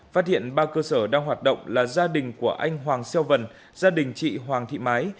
phát hiện ba cơ sở đang hoạt động là gia đình của anh hoàng xeo vần gia đình chị hoàng thị mái